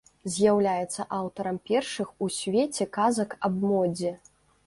З'яўляецца аўтарам першых у свеце казак аб модзе.